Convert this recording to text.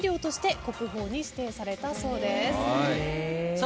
さあ